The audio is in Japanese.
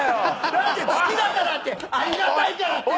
だって好きだからってありがたいからってね。